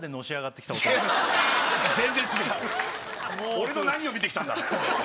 俺の何を見てきたんだ。